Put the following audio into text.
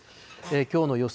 きょうの予想